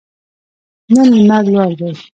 نن لمر لوړ دی